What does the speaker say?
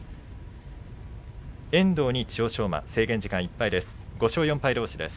遠藤に千代翔馬制限時間いっぱいです。